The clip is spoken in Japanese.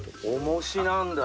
重しなんだ。